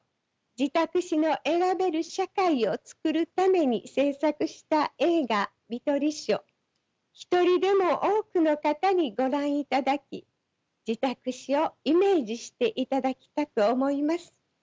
自宅死の選べる社会を創るために制作した映画「みとりし」を一人でも多くの方にご覧いただき自宅死をイメージしていただきたく思います。